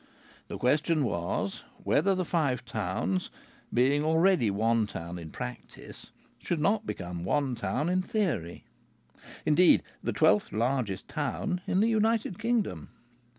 The question was, whether the Five Towns, being already one town in practice, should not become one town in theory indeed, the twelfth largest town in the United Kingdom!